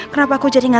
terima kasih reina